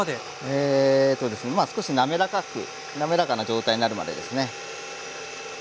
えとですねまあ少しなめらかくなめらかな状態になるまでですね。